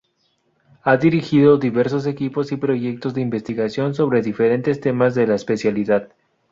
Ha dirigido diversos equipos y proyectos de investigación sobre diferentes temas de la especialidad.